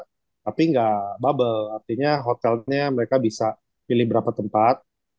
tapi nggak bubble artinya hotelnya mereka bisa pilih berapa tempat